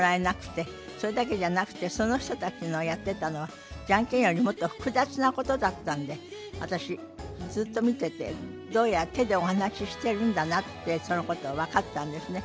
それだけじゃなくてその人たちのやってたのはジャンケンよりもっと複雑なことだったんで私ずっと見ててどうやら手でお話ししてるんだなってそのことが分かったんですね。